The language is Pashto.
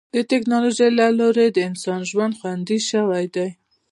د ټکنالوجۍ له لارې د انسان ژوند خوندي شوی دی.